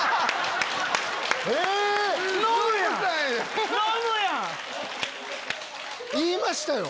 え⁉言いましたよ。